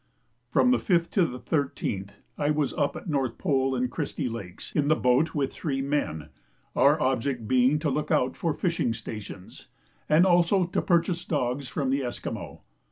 From the 5th to the 13th I was up at North Pole and Christie Lakes in the boat with three men, our object being to look out for fishing stations, and also to purchase dogs from the Esquimaux.